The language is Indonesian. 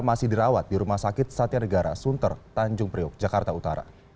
masih dirawat di rumah sakit satya negara sunter tanjung priok jakarta utara